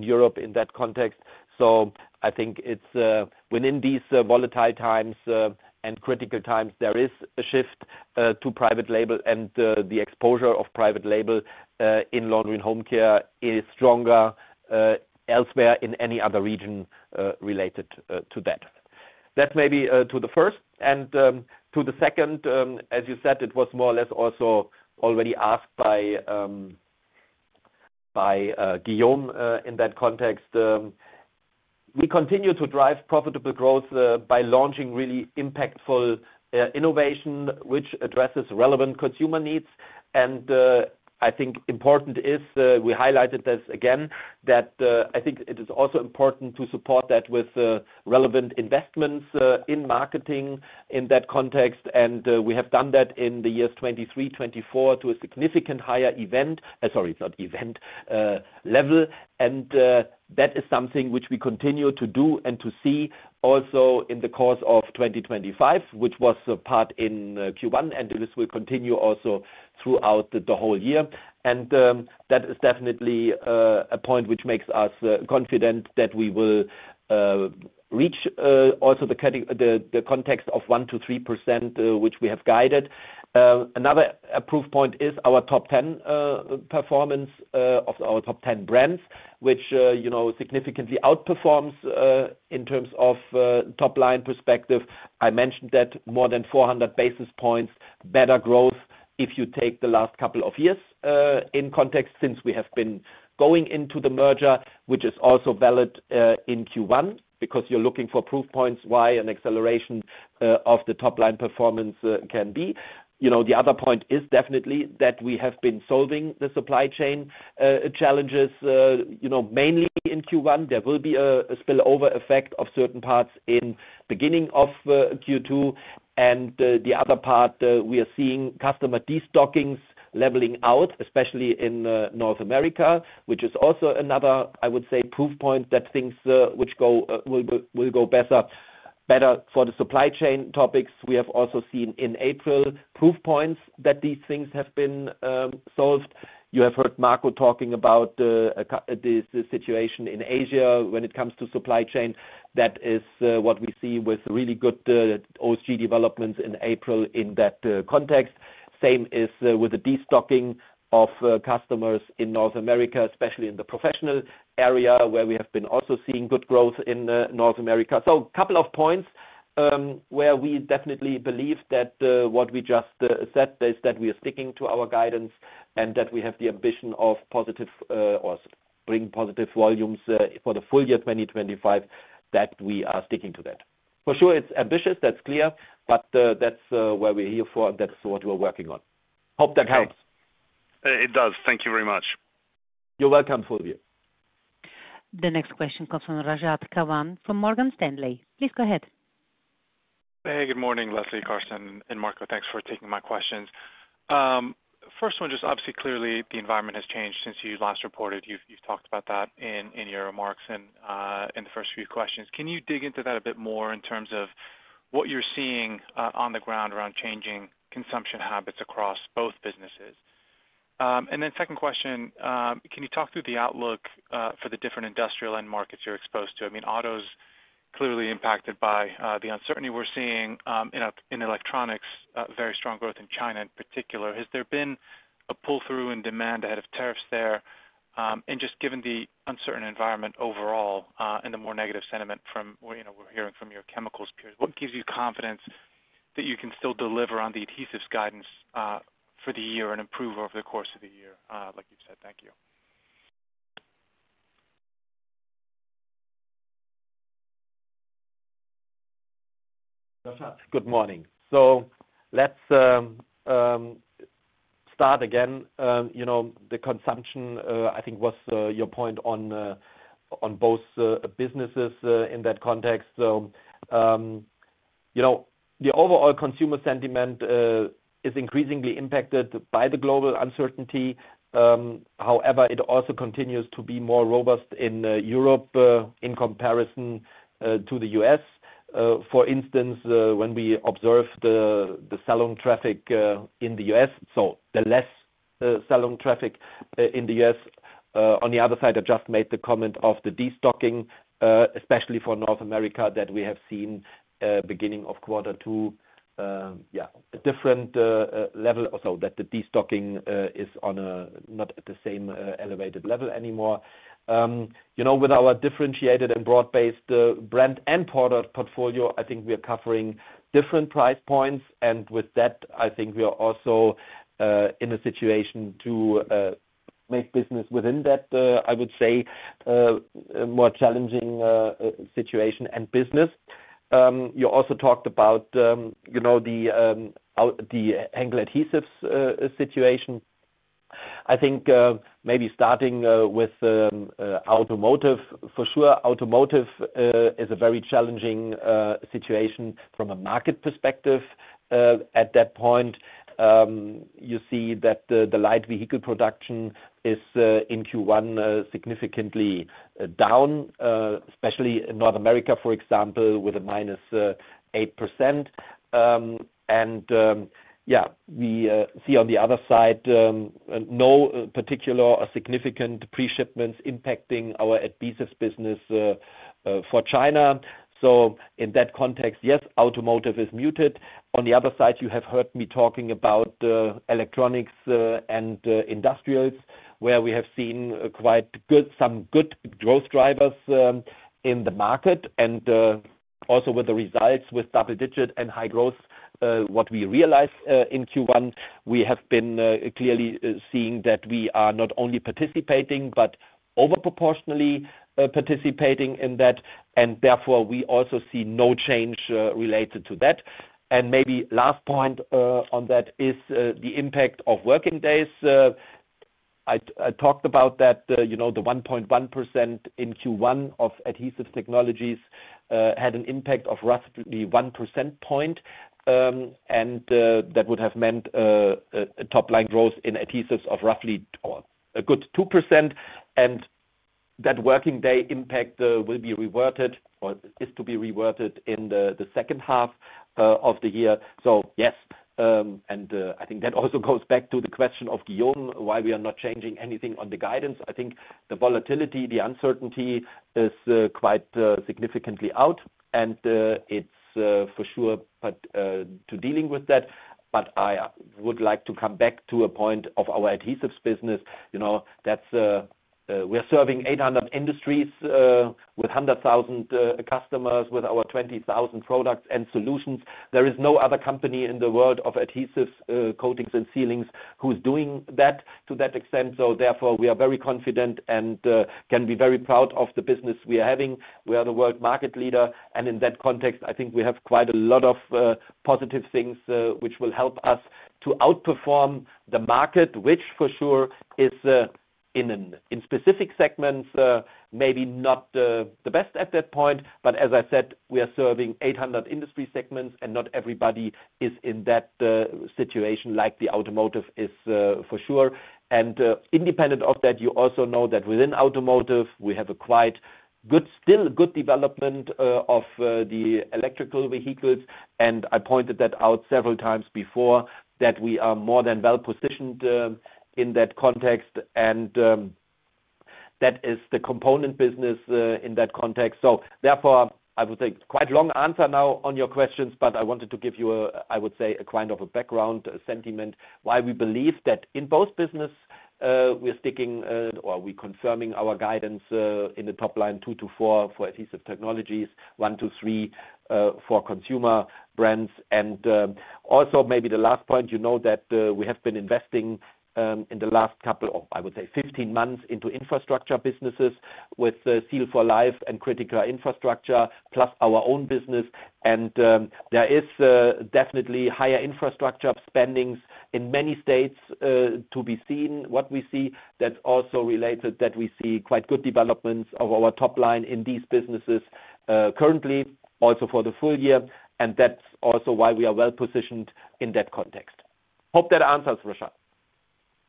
Europe in that context, so I think it's within these volatile times and critical times, there is a shift to private label, and the exposure of private label in Laundry and Home Care is stronger elsewhere in any other region related to that. That’s maybe to the first. And to the second, as you said, it was more or less also already asked by Guillaume in that context. We continue to drive profitable growth by launching really impactful innovation, which addresses relevant consumer needs. And I think important is, we highlighted this again, that I think it is also important to support that with relevant investments in marketing in that context. And we have done that in the years 2023, 2024 to a significantly higher extent, sorry, not event level. And that is something which we continue to do and to see also in the course of 2025, which was part in Q1, and this will continue also throughout the whole year. And that is definitely a point which makes us confident that we will reach also the target of 1%-3%, which we have guided. Another proof point is our top 10 performance of our top 10 brands, which significantly outperforms in terms of top-line perspective. I mentioned that more than 400 basis points better growth if you take the last couple of years in context since we have been going into the merger, which is also valid in Q1 because you're looking for proof points why an acceleration of the top-line performance can be. The other point is definitely that we have been solving the supply chain challenges mainly in Q1. There will be a spillover effect of certain parts in the beginning of Q2, and the other part, we are seeing customer destockings leveling out, especially in North America, which is also another, I would say, proof point that things which will go better for the supply chain topics. We have also seen in April proof points that these things have been solved. You have heard Marco talking about the situation in Asia when it comes to supply chain. That is what we see with really good OSG developments in April in that context. Same is with the destocking of customers in North America, especially in the professional area where we have been also seeing good growth in North America, so a couple of points where we definitely believe that what we just said is that we are sticking to our guidance and that we have the ambition of bringing positive volumes for the full year 2025, that we are sticking to that. For sure, it's ambitious. That's clear, but that's where we're here for, and that's what we're working on. Hope that helps.
It does. Thank you very much.
You're welcome, Fulvio.
The next question comes from Rashad Kawan from Morgan Stanley. Please go ahead. Hey, good morning, Leslie, Carsten, and Marco. Thanks for taking my questions. First one, just obviously, clearly, the environment has changed since you last reported. You've talked about that in your remarks and in the first few questions. Can you dig into that a bit more in terms of what you're seeing on the ground around changing consumption habits across both businesses? And then second question, can you talk through the outlook for the different industrial end markets you're exposed to? I mean, auto is clearly impacted by the uncertainty we're seeing in electronics, very strong growth in China in particular. Has there been a pull-through in demand ahead of tariffs there? And just given the uncertain environment overall and the more negative sentiment from what we're hearing from your chemicals peers, what gives you confidence that you can still deliver on the adhesives guidance for the year and improve over the course of the year, like you've said? Thank you.
Good morning. Let's start again. The consumption, I think, was your point on both businesses in that context. The overall consumer sentiment is increasingly impacted by the global uncertainty. However, it also continues to be more robust in Europe in comparison to the U.S. For instance, when we observe the selling traffic in the U.S., so the less selling traffic in the U.S. On the other side, I just made the comment of the destocking, especially for North America, that we have seen beginning of quarter two, yeah, a different level or so, that the destocking is not at the same elevated level anymore. With our differentiated and broad-based brand and product portfolio, I think we are covering different price points. And with that, I think we are also in a situation to make business within that, I would say, more challenging situation and business. You also talked about the Adhesives situation. I think maybe starting with automotive, for sure, automotive is a very challenging situation from a market perspective. At that point, you see that the light vehicle production is in Q1 significantly down, especially in North America, for example, with a -8%. Yeah, we see on the other side no particular or significant pre-shipments impacting our adhesives business for China. In that context, yes, automotive is muted. On the other side, you have heard me talking about electronics and industrials, where we have seen quite some good growth drivers in the market. Also with the results with double-digit and high growth, what we realized in Q1, we have been clearly seeing that we are not only participating, but overproportionately participating in that. Therefore, we also see no change related to that. Maybe last point on that is the impact of working days. I talked about that. The 1.1% in Q1 of Adhesive Technologies had an impact of roughly 1 percentage point. That would have meant top-line growth in adhesives of roughly a good 2%. That working day impact will be reverted or is to be reverted in the second half of the year. Yes. I think that also goes back to the question of Guillaume, why we are not changing anything on the guidance. I think the volatility, the uncertainty is quite significantly out. It's for sure to dealing with that. I would like to come back to a point of our adhesives business. We're serving 800 industries with 100,000 customers with our 20,000 products and solutions. There is no other company in the world of adhesives, coatings, and sealings who's doing that to that extent. Therefore, we are very confident and can be very proud of the business we are having. We are the world market leader. In that context, I think we have quite a lot of positive things which will help us to outperform the market, which for sure is in specific segments, maybe not the best at that point. But as I said, we are serving 800 industry segments, and not everybody is in that situation like the automotive is for sure. And independent of that, you also know that within automotive, we have a quite good development of the electric vehicles. And I pointed that out several times before that we are more than well-positioned in that context. And that is the component business in that context. So therefore, I would say quite long answer now on your questions, but I wanted to give you, I would say, a kind of a background sentiment, why we believe that in both business, we're sticking or we're confirming our guidance in the top line 2-4 for Adhesive Technologies, 1-3 for Consumer Brands. And also maybe the last point, you know that we have been investing in the last couple of, I would say, 15 months into infrastructure businesses with Seal for Life and Critica Infrastructure, plus our own business. And there is definitely higher infrastructure spendings in many states to be seen. What we see, that's also related that we see quite good developments of our top line in these businesses currently, also for the full year. And that's also why we are well-positioned in that context. Hope that answers, Rashad.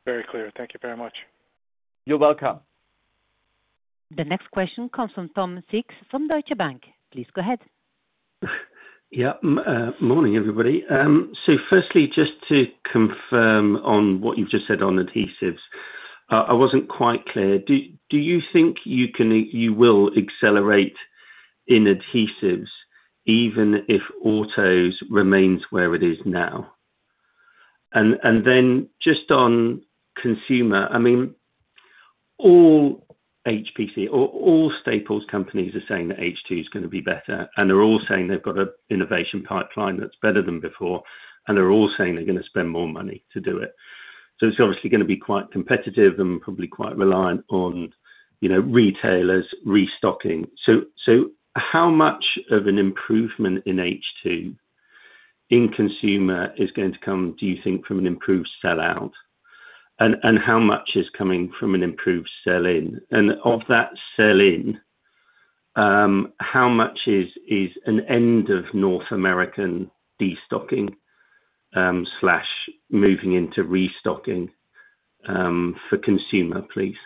Very clear. Thank you very much. You're welcome.
The next question comes from Tom Sykes from Deutsche Bank. Please go ahead.
Yeah. Morning, everybody. So firstly, just to confirm on what you've just said on adhesives, I wasn't quite clear. Do you think you will accelerate in adhesives even if autos remains where it is now? And then just on consumer, I mean, all HPC or all Staples companies are saying that H2 is going to be better, and they're all saying they've got an innovation pipeline that's better than before, and they're all saying they're going to spend more money to do it. So it's obviously going to be quite competitive and probably quite reliant on retailers restocking. So how much of an improvement in H2 in consumer is going to come, do you think, from an improved sell-out? And how much is coming from an improved sell-in? And of that sell-in, how much is an end of North American destocking/moving into restocking for consumer, please?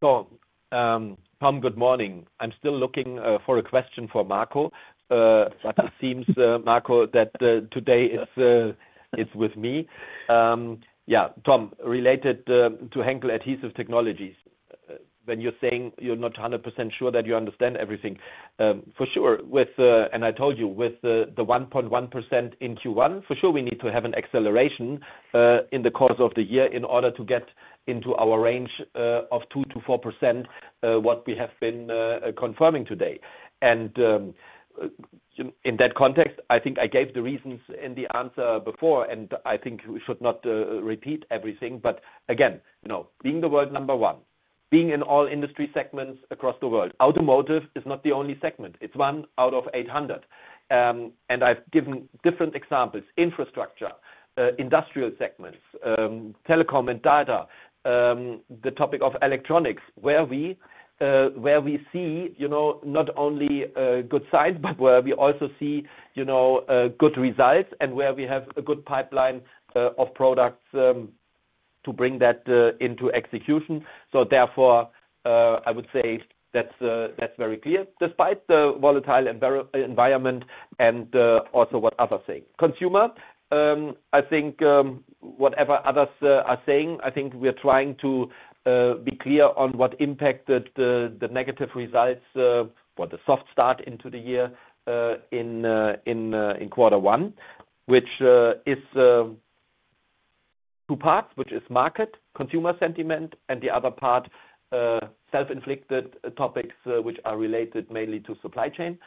Tom,
Tom, good morning. I'm still looking for a question for Marco. But it seems, Marco, that today it's with me. Yeah. Tom, related to Henkel Adhesive Technologies, when you're saying you're not 100% sure that you understand everything, for sure, and I told you, with the 1.1% in Q1, for sure, we need to have an acceleration in the course of the year in order to get into our range of 2%-4%, what we have been confirming today. And in that context, I think I gave the reasons in the answer before, and I think we should not repeat everything. But again, being the world number one, being in all industry segments across the world, automotive is not the only segment. It's one out of 800. And I've given different examples: infrastructure, industrial segments, telecom and data, the topic of electronics, where we see not only good signs, but where we also see good results and where we have a good pipeline of products to bring that into execution. So therefore, I would say that's very clear, despite the volatile environment and also what others say. Consumer, I think whatever others are saying, I think we're trying to be clear on what impacted the negative results for the soft start into the year in quarter one, which is two parts, which is market consumer sentiment and the other part, self-inflicted topics, which are related mainly to supply chain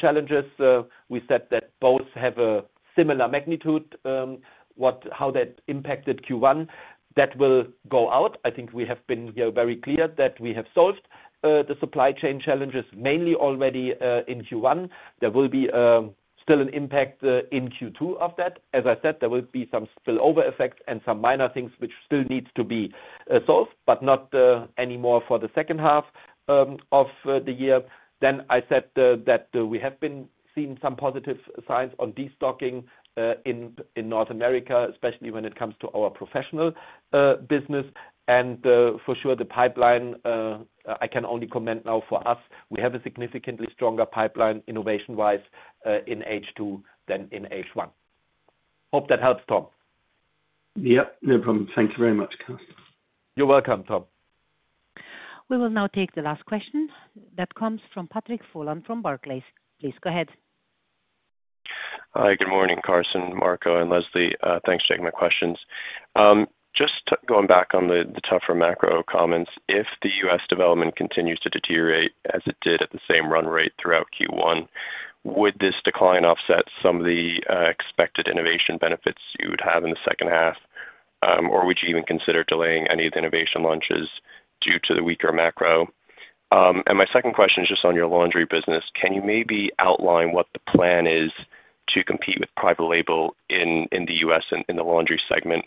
challenges. We said that both have a similar magnitude, how that impacted Q1. That will go out. I think we have been here very clear that we have solved the supply chain challenges mainly already in Q1. There will be still an impact in Q2 of that. As I said, there will be some spillover effects and some minor things which still need to be solved, but not anymore for the second half of the year, then I said that we have been seeing some positive signs on destocking in North America, especially when it comes to our professional business, and for sure, the pipeline, I can only comment now for us, we have a significantly stronger pipeline innovation-wise in H2 than in H1. Hope that helps, Tom.
Yeah. No problem. Thank you very much, Carsten.
You're welcome, Tom.
We will now take the last question that comes from Patrick Folan from Barclays. Please go ahead.
Hi. Good morning, Carsten, Marco, and Leslie. Thanks for taking my questions. Just going back on the tougher macro comments, if the U.S. development continues to deteriorate as it did at the same run rate throughout Q1, would this decline offset some of the expected innovation benefits you would have in the second half? Or would you even consider delaying any of the innovation launches due to the weaker macro? And my second question is just on your laundry business. Can you maybe outline what the plan is to compete with private label in the U.S. in the laundry segment?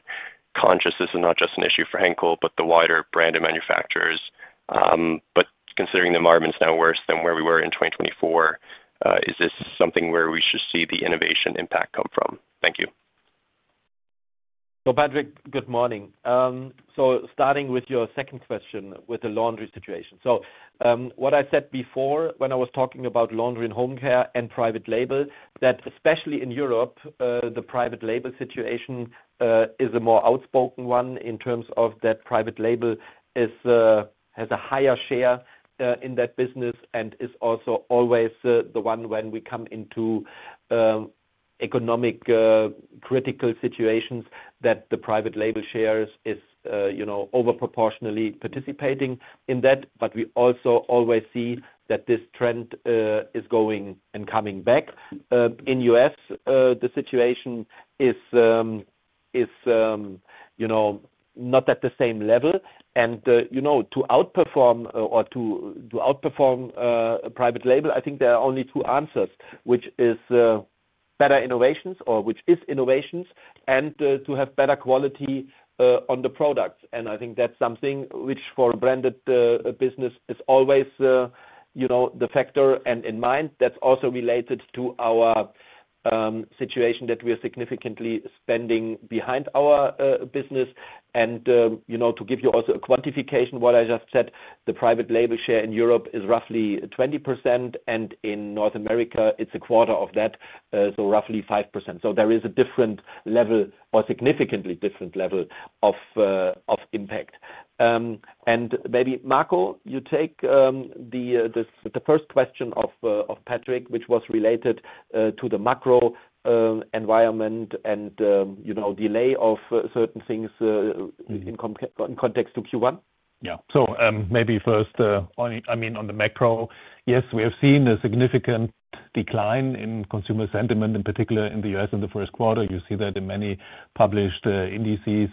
Considering, this is not just an issue for Henkel, but the wider brand and manufacturers. But considering the environment's now worse than where we were in 2024, is this something where we should see the innovation impact come from? Thank you.
So, Patrick, good morning. So starting with your second question with the laundry situation. So what I said before when I was talking about Laundry and Home Care and private label, that especially in Europe, the private label situation is a more pronounced one in terms of that private label has a higher share in that business and is also always the one when we come into economically critical situations that the private label share is disproportionately participating in that. But we also always see that this trend is going and coming back. In the U.S., the situation is not at the same level. And to outperform or to outperform private label, I think there are only two answers, which is better innovations or which is innovations and to have better quality on the products. And I think that's something which for a branded business is always the factor. Keep in mind, that's also related to our situation that we are significantly spending behind our business. To give you also a quantification, what I just said, the private label share in Europe is roughly 20%, and in North America, it's a quarter of that, so roughly 5%. There is a different level or significantly different level of impact. Maybe, Marco, you take the first question of Patrick, which was related to the macro environment and delay of certain things in context to Q1.
Yeah. So maybe first, I mean, on the macro, yes, we have seen a significant decline in consumer sentiment, in particular in the U.S. in the first quarter. You see that in many published indices.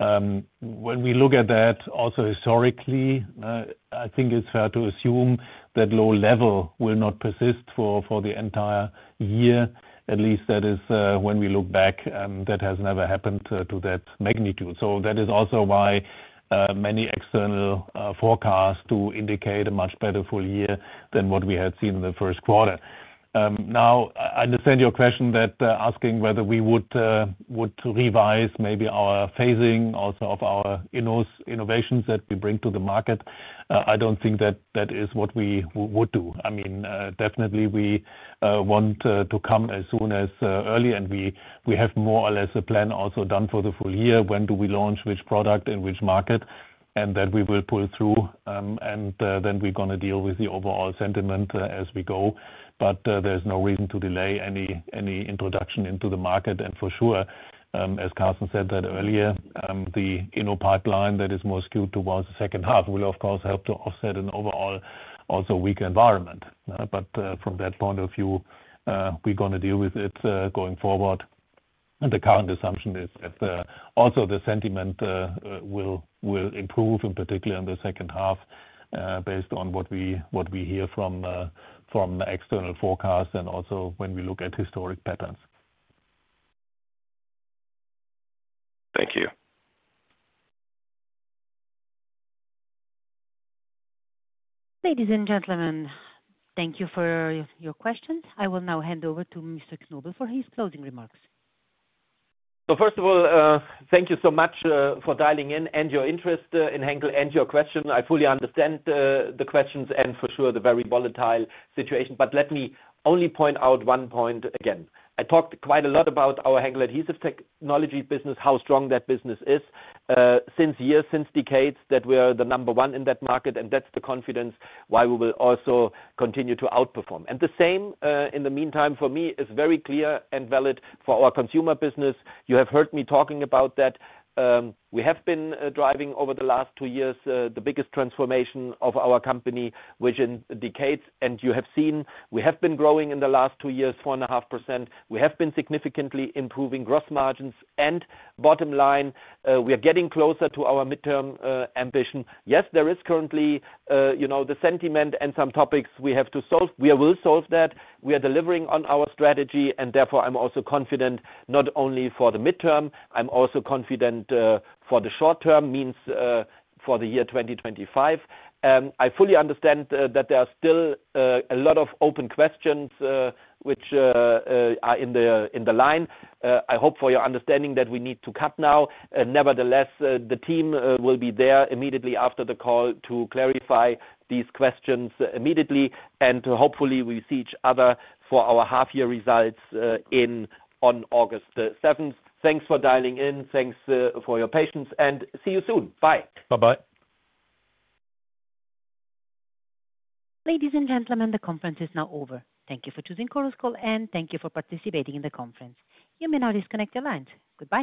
When we look at that also historically, I think it's fair to assume that low level will not persist for the entire year. At least that is, when we look back, that has never happened to that magnitude. So that is also why many external forecasts do indicate a much better full year than what we had seen in the first quarter. Now, I understand your question, asking whether we would revise maybe our phasing also of our innovations that we bring to the market. I don't think that that is what we would do. I mean, definitely, we want to come as soon as early, and we have more or less a plan also done for the full year. When do we launch which product in which market? And that we will pull through, and then we're going to deal with the overall sentiment as we go. But there's no reason to delay any introduction into the market. And for sure, as Carsten said that earlier, the inner pipeline that is more skewed towards the second half will, of course, help to offset an overall also weaker environment. But from that point of view, we're going to deal with it going forward. And the current assumption is that also the sentiment will improve, in particular in the second half, based on what we hear from external forecasts and also when we look at historic patterns.
Thank you.
Ladies and gentlemen, thank you for your questions. I will now hand over to Mr. Knobel for his closing remarks.
So first of all, thank you so much for dialing in and your interest in Henkel and your question. I fully understand the questions and for sure the very volatile situation. But let me only point out one point again. I talked quite a lot about our Henkel Adhesive Technologies business, how strong that business is since years, since decades that we are the number one in that market, and that's the confidence why we will also continue to outperform, and the same in the meantime for me is very clear and valid for our consumer business. You have heard me talking about that. We have been driving over the last two years the biggest transformation of our company within decades, and you have seen we have been growing in the last two years, 4.5%. We have been significantly improving gross margins, and bottom line, we are getting closer to our midterm ambition. Yes, there is currently the sentiment and some topics we have to solve. We will solve that. We are delivering on our strategy, and therefore I'm also confident not only for the midterm, I'm also confident for the short term, means for the year 2025. I fully understand that there are still a lot of open questions which are in the line. I hope for your understanding that we need to cut now. Nevertheless, the team will be there immediately after the call to clarify these questions immediately, and hopefully we see each other for our half-year results on August 7th. Thanks for dialing in. Thanks for your patience, and see you soon. Bye. Bye-bye.
Ladies and gentlemen, the conference is now over. Thank you for choosing Chorus Call, and thank you for participating in the conference. You may now disconnect your lines. Goodbye.